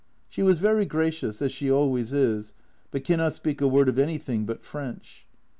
She was very gracious, as she always is, but cannot speak a word of anything but French.